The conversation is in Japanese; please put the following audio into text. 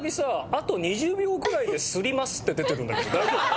「あと２０秒くらいで擦ります」って出てるんだけど大丈夫？